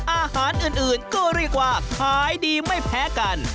อาหารอื่นก็เรียกว่าขายดีไม่แพ้กัน